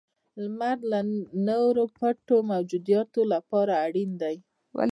• لمر د نورو پټو موجوداتو لپاره اړین دی.